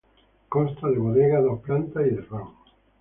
Consta de bodega, dos plantas y desván.